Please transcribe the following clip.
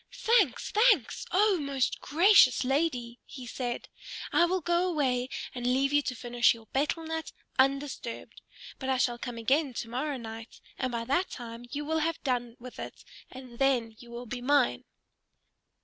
"Thanks, thanks, O most gracious lady!" he said. "I will go away and leave you to finish your betel nut undisturbed. But I shall come again to morrow night, and by that time you will have done with it, and then you will be mine!"